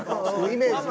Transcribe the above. イメージ。